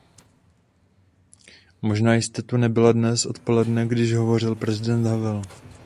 Možná jste tu nebyla dnes odpoledne, když hovořil prezident Havel.